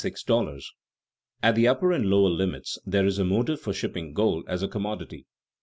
At the upper and lower limits, there is a motive for shipping gold as a commodity.